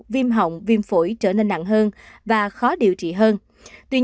viêm hỏng viêm phổi trở nên nặng hơn và khó điều trị hơn